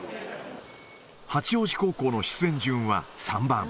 八王子高校の出演順は３番。